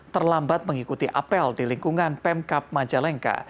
terlambat mengikuti apel di lingkungan pemkap majalengka